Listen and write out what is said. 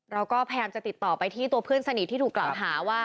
เราก็พยายามจะติดต่อไปที่ตัวเพื่อนสนิทที่ถูกกล่าวหาว่า